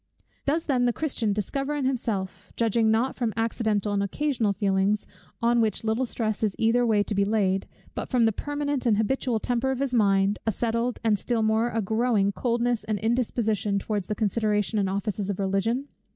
Does then the Christian discover in himself, judging not from accidental and occasional feelings, on which little stress is either way to be laid, but from the permanent and habitual temper of his mind, a settled, and still more a growing, coldness and indisposition towards the considerations and offices of Religion?